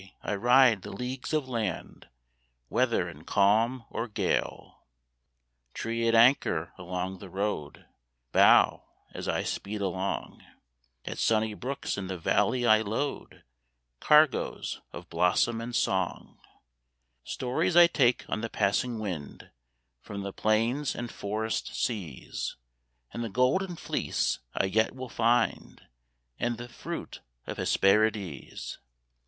I ride the leagues of land. Whether in calm or gale. 38 Preparedness Trees at anchor along the road Bow as I speed along; At sunny brooks in the valley I load Cargoes of blossom and song; Stories I take on the passing wind From the plains and forest seas, And the Golden Fleece I yet will find, And the fruit of Hesperides.